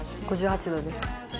５８度です。